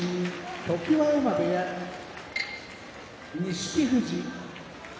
常盤山部屋錦富士